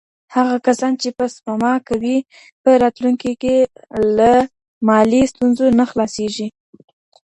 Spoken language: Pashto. هغه کسان چي سپما کوي په راتلونکي کي له مالي ستونزو نه خلاصیږي.